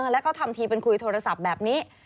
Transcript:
แล้วก็ทำทีเป็นคุยโทรศัพท์แบบนี้